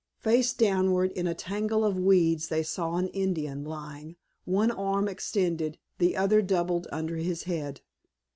Face downward in a tangle of weeds they saw an Indian lying, one arm extended, the other doubled under his head.